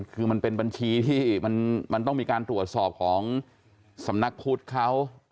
คือมันเป็นบัญชีที่มันต้องมีการตรวจสอบของสำนักพุทธเขา